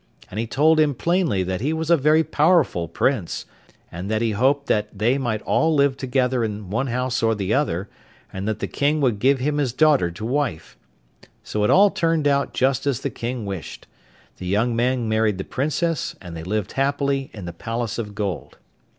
And he told him plainly that he was a very powerful Prince; and that he hoped that they might all live together in one house or the other, and that the King would give him his daughter to wife. So it all turned out just as the King wished. The young man married the Princess, and they lived happily in the palace of gold.